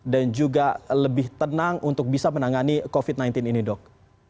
dan juga lebih tenang untuk bisa menangani covid sembilan belas ini dok